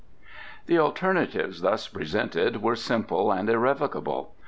The alternatives thus presented were simple and irrevocable.